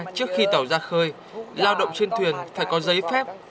trước khi tàu ra khơi lao động trên thuyền phải có giấy phép